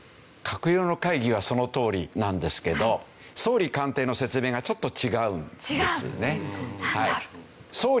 閣僚の会議はそのとおりなんですけど総理官邸の説明がちょっと違うんですね。